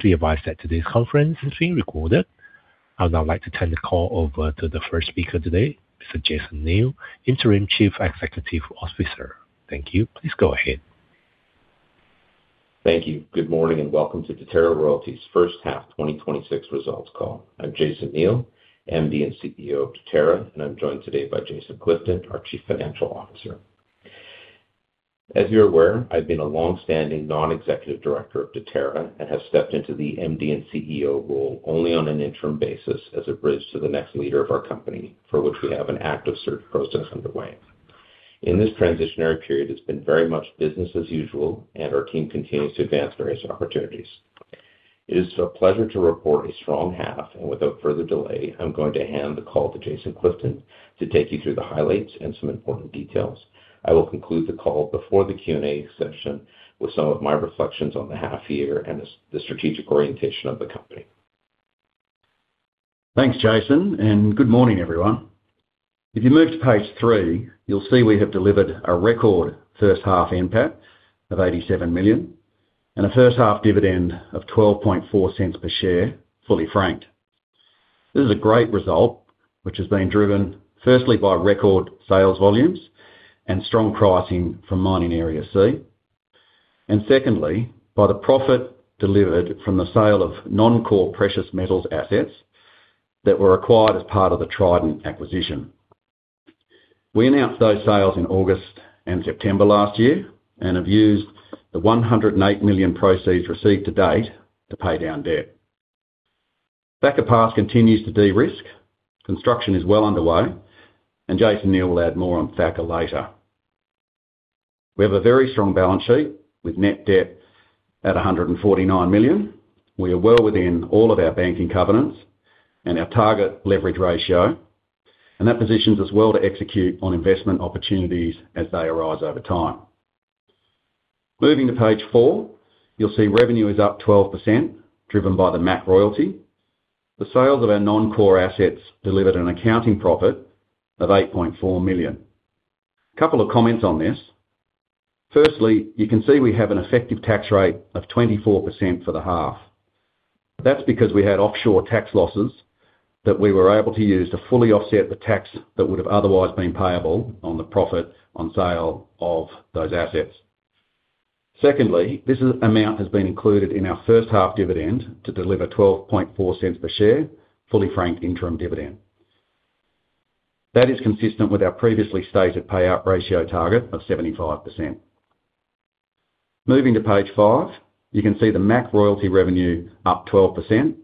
To advise that today's conference is being recorded. I would now like to turn the call over to the first speaker today, Mr. Jason Neal, Interim Chief Executive Officer. Thank you. Please go ahead. Thank you. Good morning, and welcome to Deterra Royalties First Half 2026 Results Call. I'm Jason Neal, MD and CEO of Deterra, and I'm joined today by Jason Clifton, our Chief Financial Officer. As you're aware, I've been a long-standing non-executive director of Deterra and have stepped into the MD and CEO role only on an interim basis as a bridge to the next leader of our company, for which we have an active search process underway. In this transitionary period, it's been very much business as usual, and our team continues to advance various opportunities. It is a pleasure to report a strong half, and without further delay, I'm going to hand the call to Jason Clifton to take you through the highlights and some important details. I will conclude the call before the Q&A session with some of my reflections on the half year and the strategic orientation of the company. Thanks, Jason, and good morning, everyone. If you move to page three, you'll see we have delivered a record first half NPAT of 87 million and a first-half dividend of 0.124 per share, fully franked. This is a great result, which has been driven, firstly, by record sales volumes and strong pricing from Mining Area C, and secondly, by the profit delivered from the sale of non-core precious metals assets that were acquired as part of the Trident acquisition. We announced those sales in August and September last year and have used the 108 million proceeds received to date to pay down debt. Thacker Pass continues to de-risk, construction is well underway, and Jason Neal will add more on Thacker later. We have a very strong balance sheet, with net debt at 149 million. We are well within all of our banking covenants and our target leverage ratio, and that positions us well to execute on investment opportunities as they arise over time. Moving to page four, you'll see revenue is up 12%, driven by the MAC royalty. The sales of our non-core assets delivered an accounting profit of 8.4 million. A couple of comments on this. Firstly, you can see we have an effective tax rate of 24% for the half. That's because we had offshore tax losses that we were able to use to fully offset the tax that would have otherwise been payable on the profit on sale of those assets. Secondly, this amount has been included in our first half dividend to deliver 0.124 per share, fully franked interim dividend. That is consistent with our previously stated payout ratio target of 75%. Moving to page 5, you can see the MAC royalty revenue up 12%.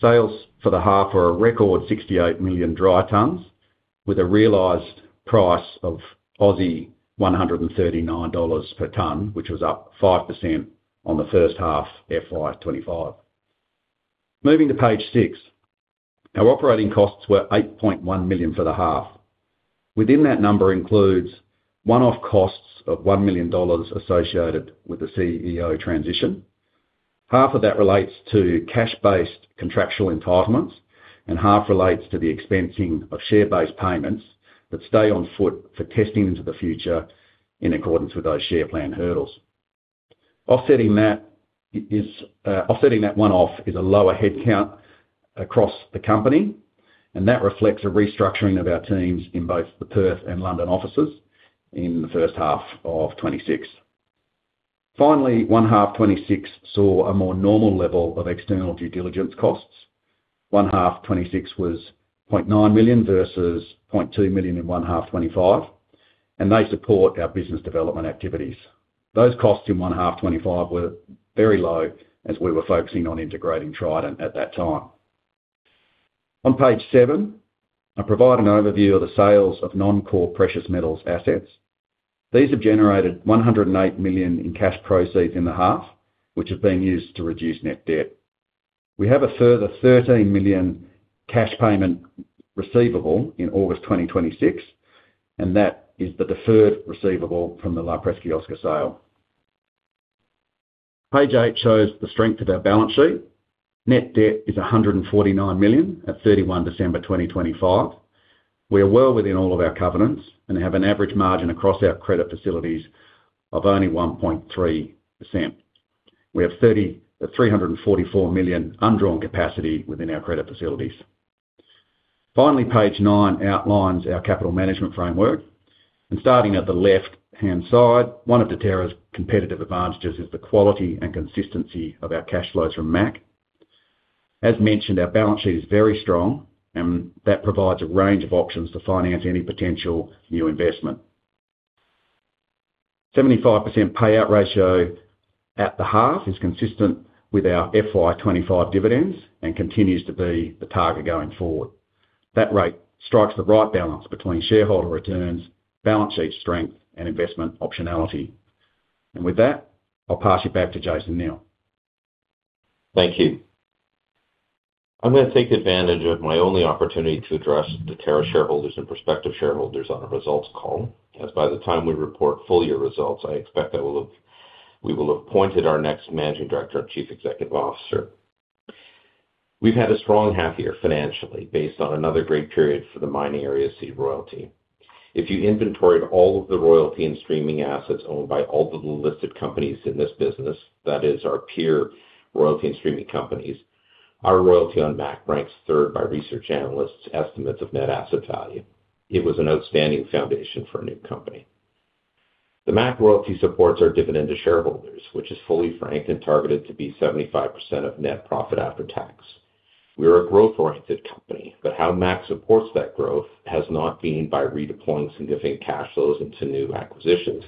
Sales for the half are a record 68 million dry tons, with a realized price of 139 Aussie dollars per ton, which was up 5% on the first half, FY 2025. Moving to page 6. Our operating costs were 8.1 million for the half. Within that number includes one-off costs of 1 million dollars associated with the CEO transition. Half of that relates to cash-based contractual entitlements, and half relates to the expensing of share-based payments that stay on foot for testing into the future in accordance with those share plan hurdles. Offsetting that is, offsetting that one-off is a lower headcount across the company, and that reflects a restructuring of our teams in both the Perth and London offices in the first half of 2026. Finally, 1H 2026 saw a more normal level of external due diligence costs. 1H 2026 was 0.9 million versus 0.2 million in 1H 2025, and they support our business development activities. Those costs in 1H 2025 were very low, as we were focusing on integrating Trident at that time. On page 7, I provide an overview of the sales of non-core precious metals assets. These have generated 108 million in cash proceeds in the half, which have been used to reduce net debt. We have a further 13 million cash payment receivable in August 2026, and that is the deferred receivable from the La Preciosa sale. Page 8 shows the strength of our balance sheet. Net debt is 149 million at 31 December 2025. We are well within all of our covenants and have an average margin across our credit facilities of only 1.3%. We have three hundred and forty-four million undrawn capacity within our credit facilities. Finally, page 9 outlines our capital management framework. Starting at the left-hand side, one of Deterra's competitive advantages is the quality and consistency of our cash flows from MAC. As mentioned, our balance sheet is very strong, and that provides a range of options to finance any potential new investment. 75% payout ratio at the half is consistent with our FY 2025 dividends and continues to be the target going forward. That rate strikes the right balance between shareholder returns, balance sheet strength, and investment optionality. With that, I'll pass it back to Jason Neal. Thank you. I'm going to take advantage of my only opportunity to address Deterra shareholders and prospective shareholders on a results call, as by the time we report full year results, I expect I will have—we will have appointed our next Managing Director and Chief Executive Officer. We've had a strong half year financially, based on another great period for the Mining Area C royalty. If you inventoried all of the royalty and streaming assets owned by all the listed companies in this business, that is our peer royalty and streaming companies, our royalty on MAC ranks third by research analysts' estimates of net asset value. It was an outstanding foundation for a new company. The MAC royalty supports our dividend to shareholders, which is fully franked and targeted to be 75% of net profit after tax. We are a growth-oriented company, but how MAC supports that growth has not been by redeploying significant cash flows into new acquisitions.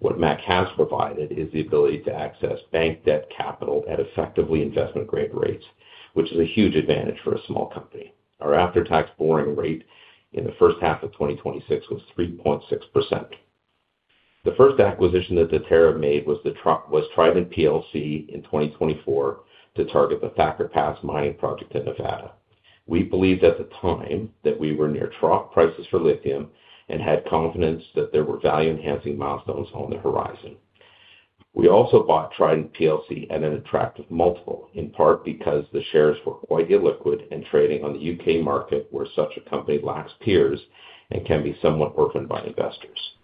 What MAC has provided is the ability to access bank debt capital at effectively investment-grade rates, which is a huge advantage for a small company. Our after-tax borrowing rate in the first half of 2026 was 3.6%. The first acquisition that Deterra made was Trident PLC in 2024 to target the Thacker Pass mining project in Nevada. We believed at the time that we were near trough prices for lithium and had confidence that there were value-enhancing milestones on the horizon. We also bought Trident PLC at an attractive multiple, in part because the shares were quite illiquid and trading on the UK market, where such a company lacks peers and can be somewhat orphaned by investors.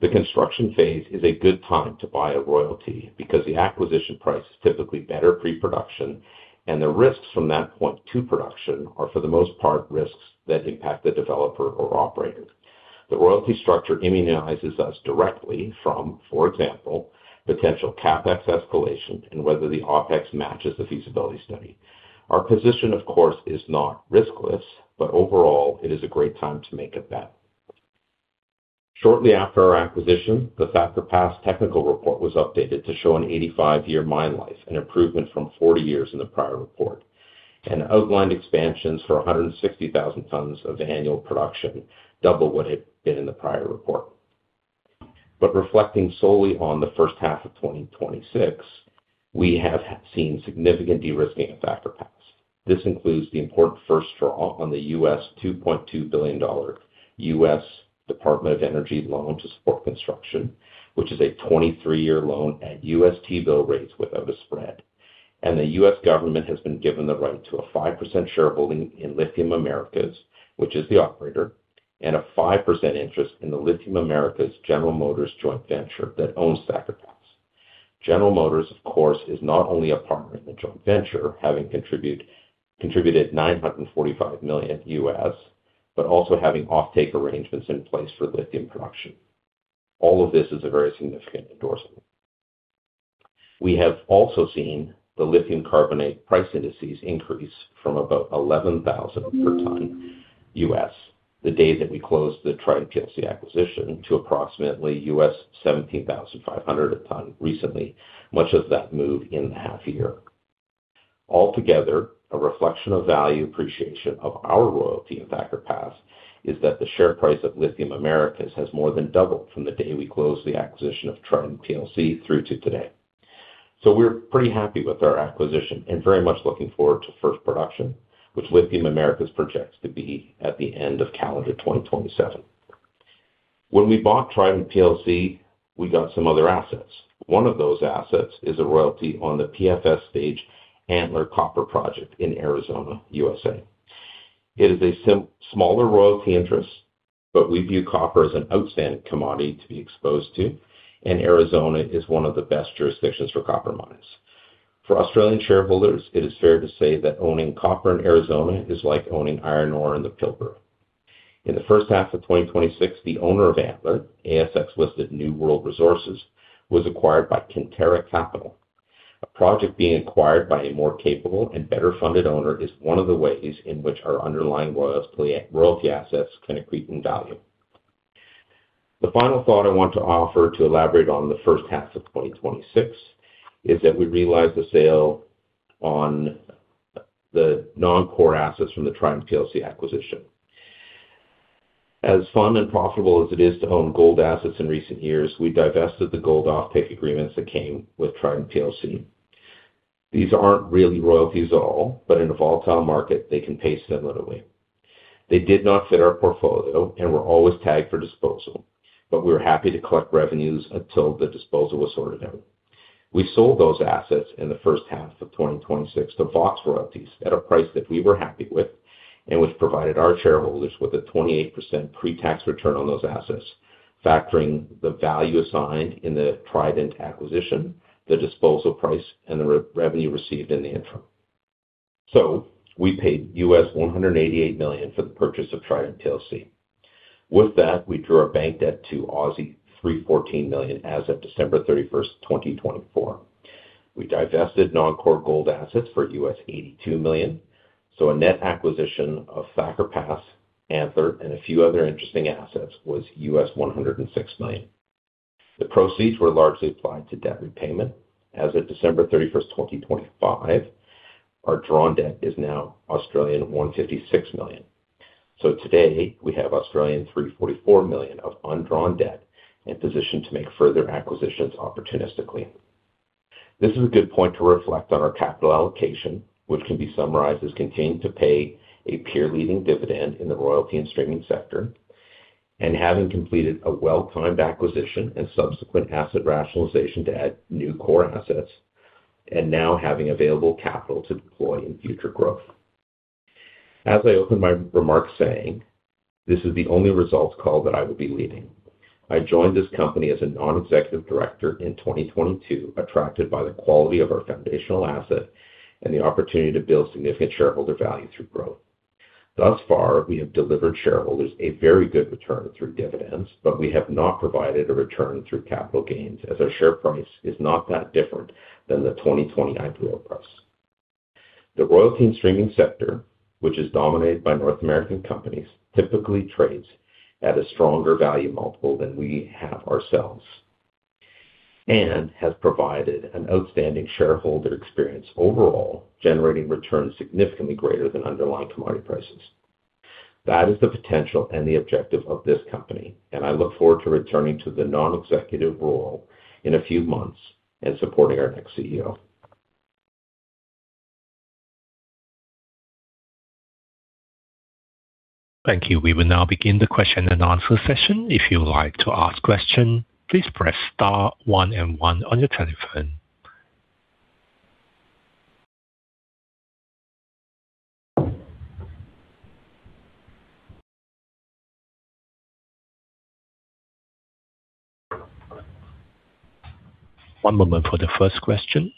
The construction phase is a good time to buy a royalty because the acquisition price is typically better pre-production, and the risks from that point to production are, for the most part, risks that impact the developer or operator. The royalty structure immunizes us directly from, for example, potential CapEx escalation and whether the OpEx matches the feasibility study. Our position, of course, is not riskless, but overall it is a great time to make a bet. Shortly after our acquisition, the Thacker Pass technical report was updated to show an 85-year mine life, an improvement from 40 years in the prior report, and outlined expansions for 160,000 tons of annual production, double what it had been in the prior report. But reflecting solely on the first half of 2026, we have seen significant de-risking of Thacker Pass. This includes the important first draw on the $2.2 billion U.S. Department of Energy loan to support construction, which is a 23-year loan at U.S. T-bill rates without a spread. The U.S. government has been given the right to a 5% shareholding in Lithium Americas, which is the operator, and a 5% interest in the Lithium Americas General Motors joint venture that owns Thacker Pass. General Motors, of course, is not only a partner in the joint venture, having contributed $945 million, but also having offtake arrangements in place for lithium production. All of this is a very significant endorsement. We have also seen the lithium carbonate price indices increase from about $11,000 per ton the day that we closed the Trident PLC acquisition, to approximately $17,500 a ton recently, much of that move in the half year. Altogether, a reflection of value appreciation of our royalty in Thacker Pass is that the share price of Lithium Americas has more than doubled from the day we closed the acquisition of Trident PLC through to today. So we're pretty happy with our acquisition and very much looking forward to first production, which Lithium Americas projects to be at the end of calendar 2027. When we bought Trident PLC, we got some other assets. One of those assets is a royalty on the PFS Stage Antler Copper Project in Arizona, USA. It is a smaller royalty interest, but we view copper as an outstanding commodity to be exposed to, and Arizona is one of the best jurisdictions for copper mines. For Australian shareholders, it is fair to say that owning copper in Arizona is like owning iron ore in the Pilbara. In the first half of 2026, the owner of Antler, ASX-listed New World Resources, was acquired by Kinterra Capital. A project being acquired by a more capable and better-funded owner is one of the ways in which our underlying royalty assets can accrete in value. The final thought I want to offer to elaborate on the first half of 2026 is that we realized the sale on the non-core assets from the Trident PLC acquisition. As fun and profitable as it is to own gold assets in recent years, we divested the gold offtake agreements that came with Trident Royalties. These aren't really royalties at all, but in a volatile market, they can pay similarly. They did not fit our portfolio and were always tagged for disposal, but we were happy to collect revenues until the disposal was sorted out. We sold those assets in the first half of 2026 to Vox Royalty at a price that we were happy with and which provided our shareholders with a 28% pre-tax return on those assets, factoring the value assigned in the Trident acquisition, the disposal price, and the revenue received in the interim. So we paid $188 million for the purchase of Trident Royalties. With that, we drew our bank debt to 314 million as of December 31, 2024. We divested non-core gold assets for $82 million, so a net acquisition of Thacker Pass, Antler, and a few other interesting assets was $106 million. The proceeds were largely applied to debt repayment. As of December 31, 2025, our drawn debt is now 156 million. So today, we have 344 million of undrawn debt and positioned to make further acquisitions opportunistically. This is a good point to reflect on our capital allocation, which can be summarized as continuing to pay a peer-leading dividend in the royalty and streaming sector and having completed a well-timed acquisition and subsequent asset rationalization to add new core assets, and now having available capital to deploy in future growth. As I opened my remarks saying, this is the only results call that I will be leading. I joined this company as a non-executive director in 2022, attracted by the quality of our foundational asset and the opportunity to build significant shareholder value through growth. Thus far, we have delivered shareholders a very good return through dividends, but we have not provided a return through capital gains, as our share price is not that different than the 2020 IPO price. The royalty and streaming sector, which is dominated by North American companies, typically trades at a stronger value multiple than we have ourselves, and has provided an outstanding shareholder experience overall, generating returns significantly greater than underlying commodity prices. That is the potential and the objective of this company, and I look forward to returning to the non-executive role in a few months and supporting our next CEO. Thank you. We will now begin the question and answer session. If you would like to ask question, please press star one and one on your telephone. One moment for the first question.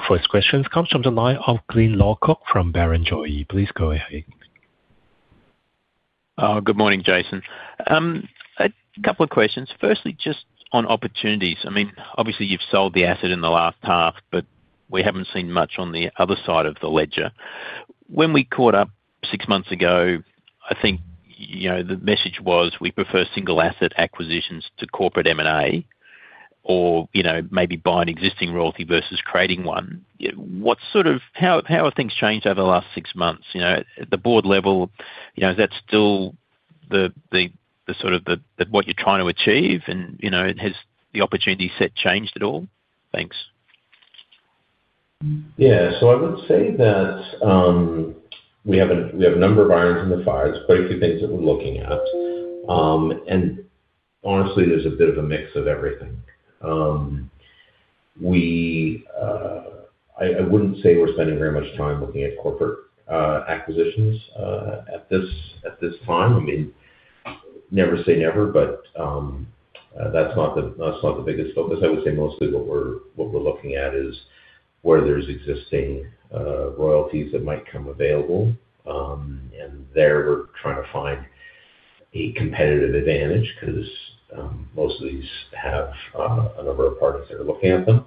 Our first question comes from the line of Glyn Lawcock from Barrenjoey. Please go ahead. Good morning, Jason. A couple of questions. Firstly, just on opportunities. I mean, obviously you've sold the asset in the last half, but we haven't seen much on the other side of the ledger. When we caught up six months ago, I think, you know, the message was, we prefer single asset acquisitions to corporate M&A or, you know, maybe buy an existing royalty versus creating one. How have things changed over the last six months? You know, at the board level, you know, is that still the sort of what you're trying to achieve? And, you know, has the opportunity set changed at all? Thanks. Yeah. So I would say that, we have a number of irons in the fire. There's quite a few things that we're looking at. And honestly, there's a bit of a mix of everything. I wouldn't say we're spending very much time looking at corporate acquisitions at this time. I mean, never say never, but that's not the biggest focus. I would say mostly what we're looking at is where there's existing royalties that might come available, and there, we're trying to find a competitive advantage because most of these have a number of parties that are looking at them.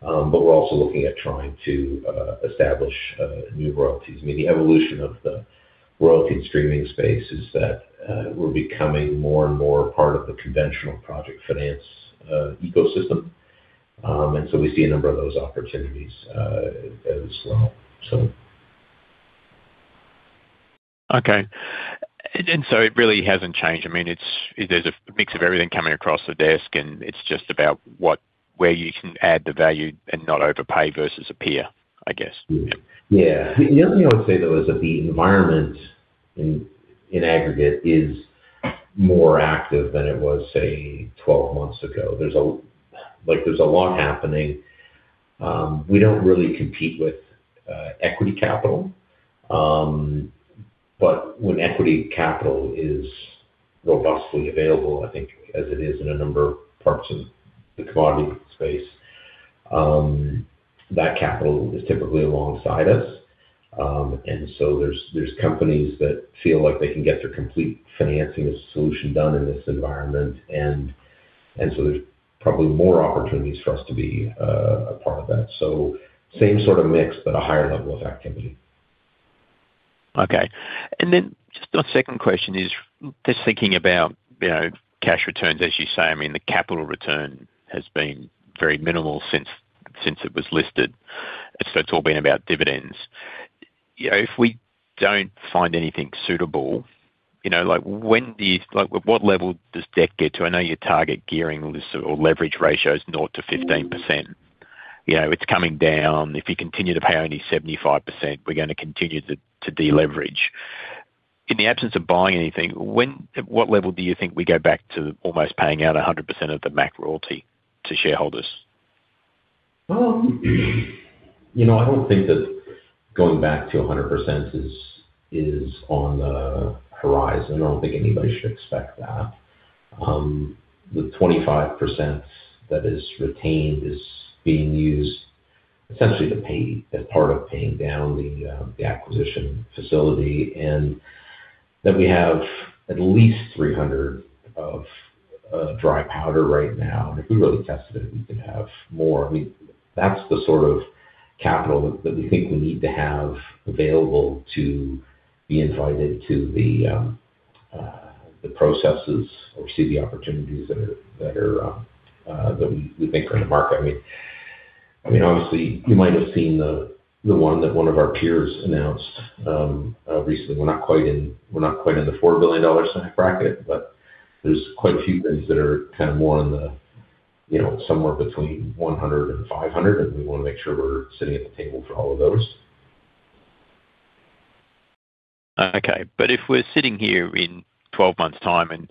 But we're also looking at trying to establish new royalties. I mean, the evolution of the royalty streaming space is that, we're becoming more and more part of the conventional project finance, ecosystem. And so we see a number of those opportunities, as well, so. Okay. And so it really hasn't changed. I mean, it's, there's a mix of everything coming across the desk, and it's just about what, where you can add the value and not overpay versus a peer, I guess. Yeah. The only thing I would say, though, is that the environment in aggregate is more active than it was, say, 12 months ago. There's a lot happening. We don't really compete with equity capital, but when equity capital is robustly available, I think as it is in a number of parts of the commodity space, that capital is typically alongside us. And so there's companies that feel like they can get their complete financing solution done in this environment, and so there's probably more opportunities for us to be a part of that. So same sort of mix, but a higher level of activity. Okay. And then just my second question is, just thinking about, you know, cash returns, as you say, I mean, the capital return has been very minimal since, since it was listed, so it's all been about dividends. You know, if we don't find anything suitable, you know, like, what level does debt get to? I know your target gearing or leverage ratio is 0%-15%. You know, it's coming down. If you continue to pay only 75%, we're gonna continue to, to deleverage. In the absence of buying anything, when, at what level do you think we go back to almost paying out 100% of the MAC royalty to shareholders? You know, I don't think that going back to 100% is on the horizon. I don't think anybody should expect that. The 25% that is retained is being used essentially to pay, as part of paying down the acquisition facility, and then we have at least 300 million of dry powder right now. And if we really tested it, we could have more. I mean, that's the sort of capital that we think we need to have available to be invited to the processes or see the opportunities that we think are in the market. I mean, obviously, you might have seen the one that one of our peers announced recently. We're not quite in the 4 billion-dollar bracket, but there's quite a few things that are kind of more on the, you know, somewhere between 100 and 500, and we want to make sure we're sitting at the table for all of those. Okay. But if we're sitting here in 12 months' time, and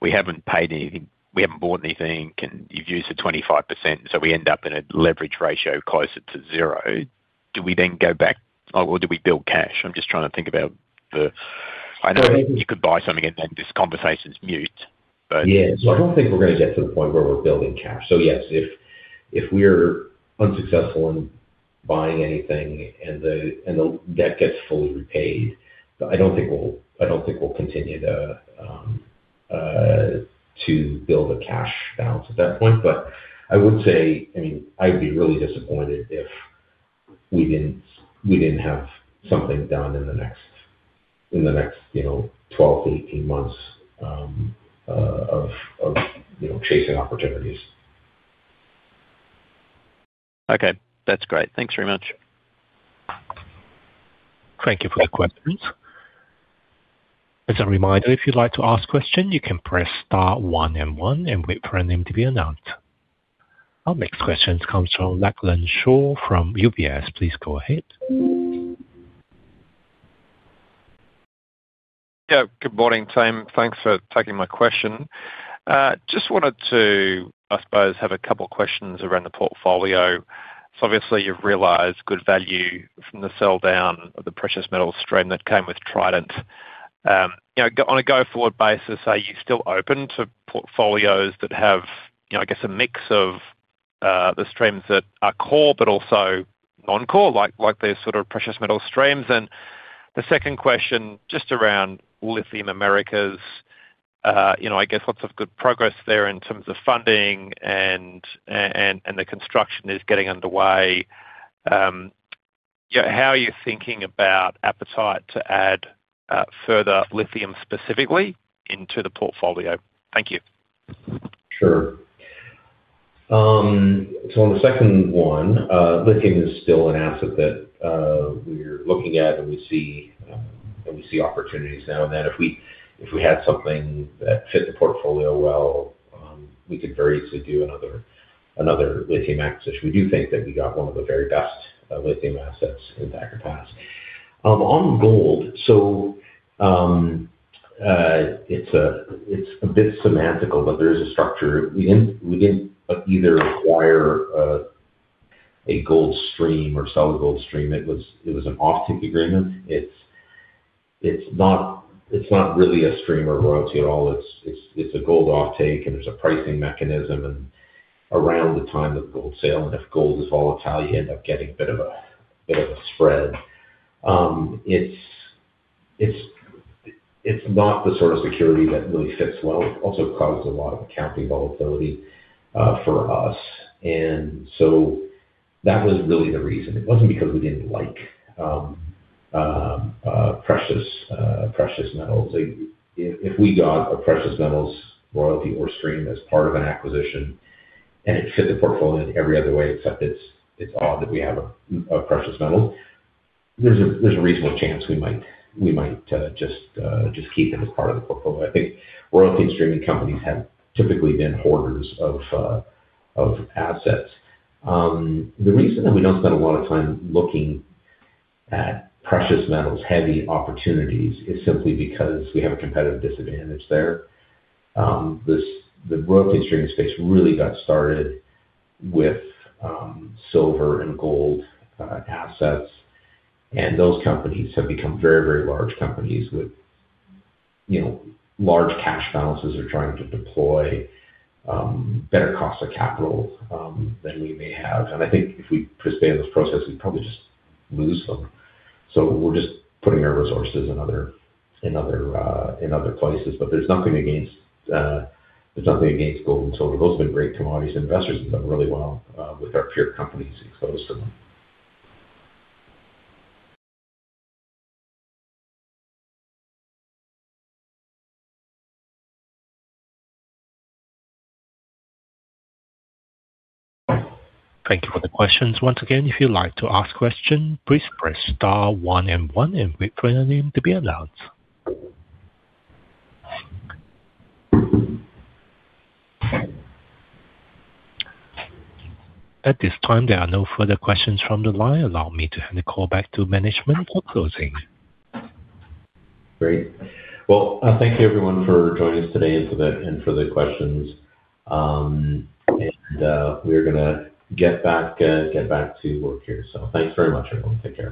we haven't paid anything, we haven't bought anything, and you've used the 25%, so we end up in a leverage ratio closer to zero, do we then go back or do we build cash? I'm just trying to think about. I know you could buy something, and then this conversation's moot, but- Yes. So I don't think we're going to get to the point where we're building cash. So yes, if we're unsuccessful in buying anything and the debt gets fully repaid, I don't think we'll continue to build a cash balance at that point. But I would say, I mean, I'd be really disappointed if we didn't have something done in the next 12-18 months, you know, of chasing opportunities. Okay, that's great. Thanks very much. Thank you for the questions. As a reminder, if you'd like to ask question, you can press star one and one and wait for your name to be announced. Our next question comes from Lachlan Shaw from UBS. Please go ahead. Yeah. Good morning, team. Thanks for taking my question. Just wanted to, I suppose, have a couple of questions around the portfolio. So obviously, you've realized good value from the sell down of the precious metal stream that came with Trident. You know, on a go-forward basis, are you still open to portfolios that have, you know, I guess, a mix of, the streams that are core but also non-core, like, like, these sort of precious metal streams? And the second question, just around Lithium Americas, you know, I guess lots of good progress there in terms of funding and, and, and the construction is getting underway. How are you thinking about appetite to add, further lithium, specifically, into the portfolio? Thank you. Sure. So on the second one, lithium is still an asset that we're looking at, and we see, and we see opportunities now, and then if we, if we had something that fit the portfolio well, we could very easily do another, another lithium acquisition. We do think that we got one of the very best lithium assets in the Thacker Pass. On gold, so, it's a, it's a bit semantical, but there is a structure. We didn't, we didn't either acquire a gold stream or sell a gold stream. It was, it was an offtake agreement. It's, it's not, it's not really a stream or royalty at all. It's a gold offtake, and there's a pricing mechanism, and around the time of gold sale, and if gold is volatile, you end up getting a bit of a spread. It's not the sort of security that really fits well. It also causes a lot of accounting volatility for us, and so that was really the reason. It wasn't because we didn't like precious metals. If we got a precious metals royalty or stream as part of an acquisition, and it fit the portfolio in every other way, except it's odd that we have a precious metal, there's a reasonable chance we might just keep them as part of the portfolio. I think royalty streaming companies have typically been hoarders of assets. The reason that we don't spend a lot of time looking at precious metals-heavy opportunities is simply because we have a competitive disadvantage there. The royalty streaming space really got started with silver and gold assets, and those companies have become very, very large companies with, you know, large cash balances, are trying to deploy better cost of capital than we may have. And I think if we participate in this process, we probably just lose them. So we're just putting our resources in other places. But there's nothing against gold and silver. Those have been great commodities. Investors have done really well with our peer companies exposed to them. Thank you for the questions. Once again, if you'd like to ask question, please press star one and one and wait for your name to be announced. At this time, there are no further questions from the line. Allow me to hand the call back to management for closing. Great. Well, thank you everyone for joining us today and for the questions. We're gonna get back to work here. So thanks very much, everyone. Take care.